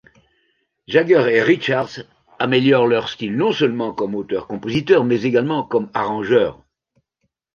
Jagger et Richards améliorent leur style non seulement comme auteurs-compositeurs, mais également comme arrangeurs.